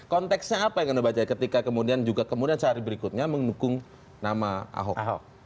konteksnya apa yang anda baca ketika kemudian juga kemudian sehari berikutnya mendukung nama ahok